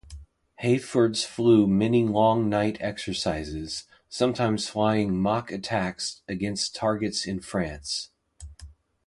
Heyfords flew many long night exercises, sometimes flying mock attacks against targets in France.